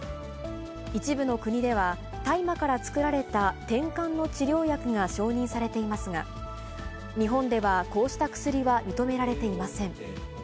一部の国では、大麻から作られたてんかんの治療薬が承認されていますが、日本ではこうした薬は認められていません。